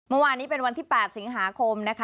เมื่อวานนี้เป็นวันที่๘สิงหาคมนะคะ